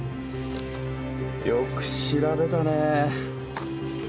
よく調べたね。